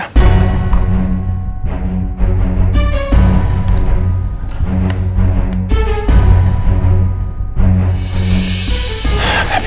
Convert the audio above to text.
gak bisa juga lagi